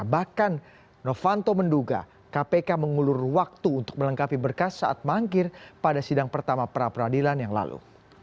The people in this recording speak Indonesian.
bahkan novanto menduga kpk mengulur waktu untuk melengkapi berkas saat mangkir pada sidang pertama pra peradilan yang lalu